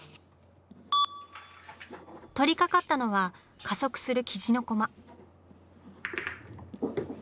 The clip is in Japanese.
取りかかったのは加速する雉のコマ。